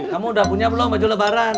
kamu udah punya belum baju lebaran